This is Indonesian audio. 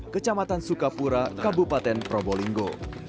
kecamatan sukapura kabupaten probolinggo